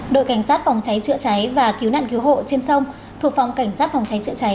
đội cảnh sát phòng cháy chữa cháy và cứu nạn cứu hộ trên sông thuộc phòng cảnh sát phòng cháy chữa cháy